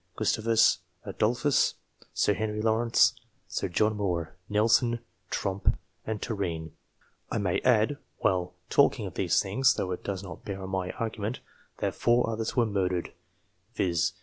Gustavus Adolphus, Sir Henry Lawrence, Sir John Moore, Nelson, Tromp, and Turenne. (I may add, while talking of these things, though it does not bear on my argument, that four others were murdered, viz.